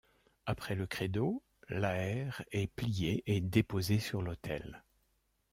Après le Credo, l'Aër est plié et déposé sur l'autel.